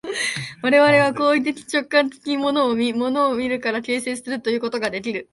我々は行為的直観的に物を見、物を見るから形成するということができる。